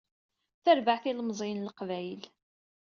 Tarbeɛt n yilmeẓyen n leqbayel.